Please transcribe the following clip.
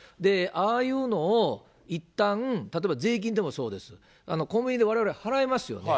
ああいうのをいったん、例えば税金でもそうです、コンビニでわれわれ払いますよね。